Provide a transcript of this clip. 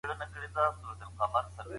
دا پروګرام په پوره دقت سره ترتیب سوی دی.